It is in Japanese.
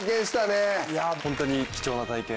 ホントに貴重な体験。